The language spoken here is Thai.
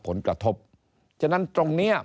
ผลกระทบฉะนั้นตรงเนี้ย